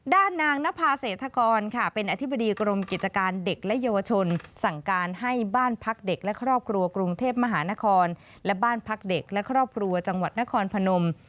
ด้านนางนภาเศรษฐกรค่ะเป็นอธิบดีกรมกิจการเด็กและเยาวชนสั่งการให้บ้านพักเด็กและครอบครัวกรุงเทพมหานครและบ้านพักเด็กและครอบครัวจังหวัดนครพนม